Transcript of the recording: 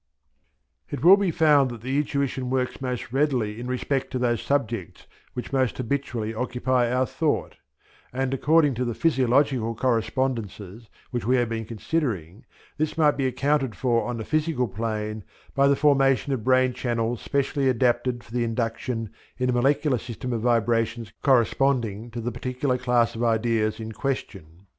It will be found that the intuition works most readily in respect to those subjects which most habitually occupy our thought; and according to the physiological correspondences which we have been considering this might be accounted for on the physical plane by the formation of brain channels specially adapted for the induction in the molecular system of vibrations corresponding to the particular class of ideas in question.